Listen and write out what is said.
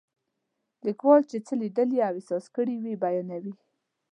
لیکوال چې څه لیدلي او احساس کړي وي بیانوي.